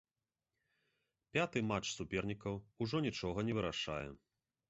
Пяты матч супернікаў ужо нічога не вырашае.